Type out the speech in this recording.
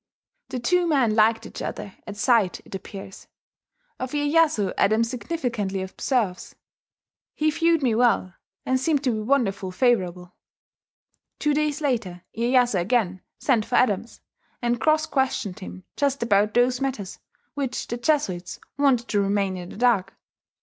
... The two men liked each other at sight, it appears. Of Iyeyasu, Adams significantly observes: "He viewed me well, and seemed to be wonderful favourable." Two days later Iyeyasu again sent for Adams, and cross questioned him just about those matters which the Jesuits wanted to remain in the dark.